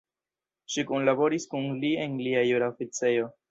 Ŝi kunlaboris kun li en lia jura oficejo.